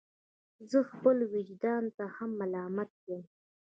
زه خپل ویجدان ته هم ملامت یم.